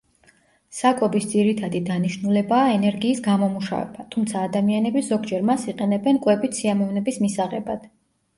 საკვების ძირითადი დანიშნულებაა ენერგიის გამომუშავება, თუმცა ადამიანები ზოგჯერ მას იყენებენ კვებით სიამოვნების მისაღებად.